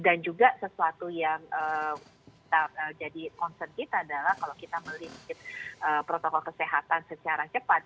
dan juga sesuatu yang jadi concern kita adalah kalau kita melistip protokol kesehatan secara cepat